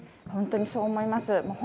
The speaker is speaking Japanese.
本当にそう思います。